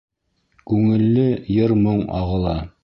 Күңелле йыр-моң ағыла.